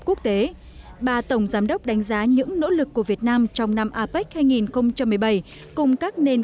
quốc tế bà tổng giám đốc đánh giá những nỗ lực của việt nam trong năm apec hai nghìn một mươi bảy cùng các nền